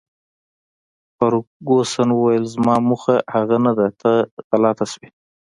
فرګوسن وویل: زما موخه هغه نه ده، ته غلطه شوې.